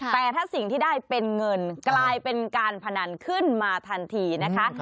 แต่ถ้าสิ่งที่ได้เป็นเงินกลายเป็นการพนันขึ้นมาทันทีนะคะ